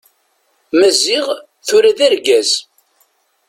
Maziɣ, tura d argaz.